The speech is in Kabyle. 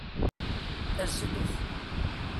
Azzlet.